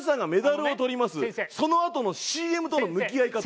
そのあとのＣＭとの向き合い方。